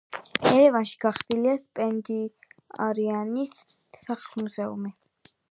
ერევანში გახსნილია სპენდიარიანის სახლ-მუზეუმი.